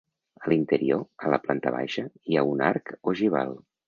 A l'interior, a la planta baixa, hi ha un arc ogival.